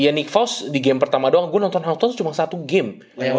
ya nick faust di game pertama doang gua nonton hang tuah cuma satu game